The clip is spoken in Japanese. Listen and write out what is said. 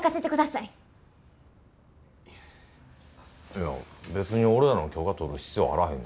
いや別に俺らの許可取る必要あらへんね。